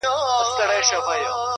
مهرباني د فاصلو واټن کموي.!